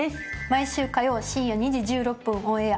毎週火曜深夜２時１６分オンエア。